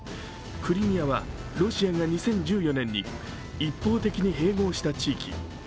クリミアはロシアが２０１４年に一方的に併合した地域。